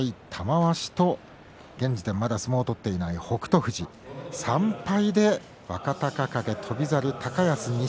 ２敗は玉鷲と現在まだ相撲を取っていない北勝富士３敗で若隆景、翔猿、高安錦